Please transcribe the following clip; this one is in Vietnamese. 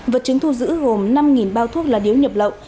vật chứng thu giữ gồm năm bao thuốc lá điếu nhập lậu